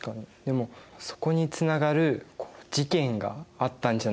でもそこにつながる事件があったんじゃないかな？